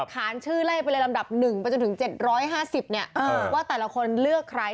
ขานชื่อไล่ไปเลยลำดับ๑ไปจนถึง๗๕๐ว่าแต่ละคนเลือกใคร